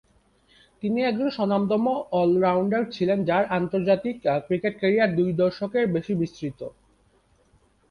তিনি একজন স্বনামধন্য অল-রাউন্ডার ছিলেন যার আন্তর্জাতিক ক্রিকেট ক্যারিয়ার দুই দশকের বেশি বিস্তৃত।